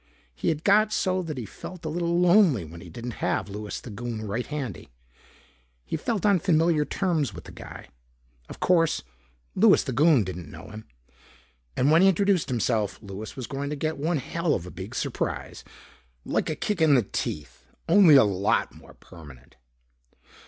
He had got so that he felt a little lonely when he didn't have Louis the Goon right handy. He felt on familiar terms with the guy. Of course, Louis the Goon didn't know him. And when he introduced himself, Louis was going to get one hell of a big surprise. Like a kick in the teeth only a lot more permanent.